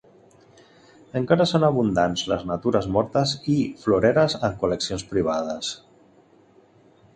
I encara són abundants les natures mortes i floreres en col·leccions privades.